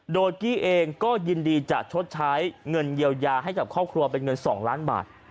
โดยกี้เองก็ยินดีจะชดใช้เงินเยียวยาให้กับครอบครัวเป็นเงิน๒ล้านบาท